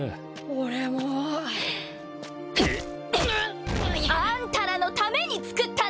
俺も。あんたらのために作ったんでしょうが！